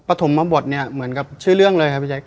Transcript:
ถมบทเนี่ยเหมือนกับชื่อเรื่องเลยครับพี่แจ๊